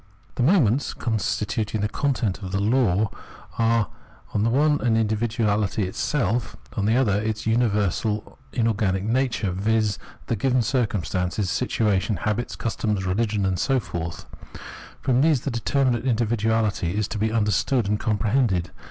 The moments constituting the content of the law are on the one hand individuality itself, on the other its universal inorganic nature, viz. the given circumstances, situation, habits, customs, rehgion, and so forth ; from these the determinate individuahty is to be under stood and comprehended.